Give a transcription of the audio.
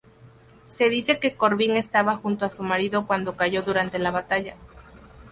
Se dice que Corbin estaba junto a su marido cuándo cayó durante la batalla.